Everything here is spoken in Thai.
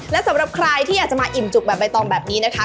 และสำหรับใครที่อยากจะมาอิ่มจุกแบบใบตองแบบนี้นะคะ